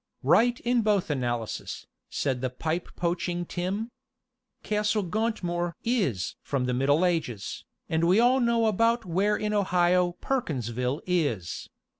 "Right in both analyses," said the pipe poaching Tim. "Castle Gauntmoor is from the Middle Ages, and we all know about where in Ohio Perkinsville is.